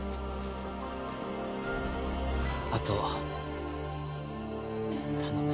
あとを頼む。